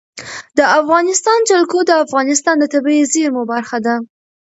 د افغانستان جلکو د افغانستان د طبیعي زیرمو برخه ده.